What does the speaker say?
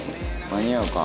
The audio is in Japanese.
「間に合うか？